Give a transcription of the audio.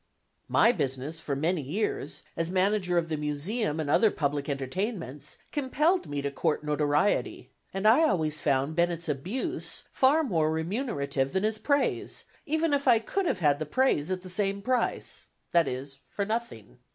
My business for many years, as manager of the Museum and other public entertainments, compelled me to court notoriety; and I always found Bennett's abuse far more remunerative than his praise, even if I could have had the praise at the same price, that is, for nothing.